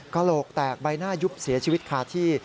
กระโหลกแตกใบหน้ายุบเสียชีวิตคาที่